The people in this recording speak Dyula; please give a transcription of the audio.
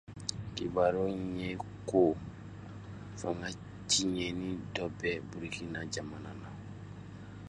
Kibaru in ye ko fanga tiɲɛni dɔ bɛ Burkina jamana na.